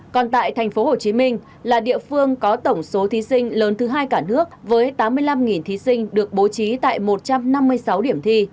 còn tại thành phố hồ chí minh là địa phương có tổng số thí sinh lớn thứ hai cả nước với tám mươi năm thí sinh được bố trí tại một trăm năm mươi sáu điểm thi